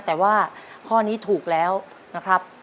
แต่ว่าข้อนี้ถูกแล้วนะครับ